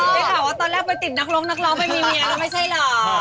บึงถ่าว่าตอนแรกประติหนักร้องมีเมียละไม่ใช่เหรอ